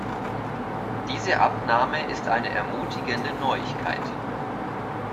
Diese Abnahme ist eine ermutigende Neuigkeit.